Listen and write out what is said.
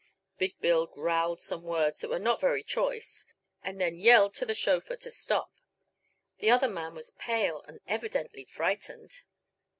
Big Bill growled some words that were not very choice and then yelled to the chauffeur to stop. The other man was pale and evidently frightened.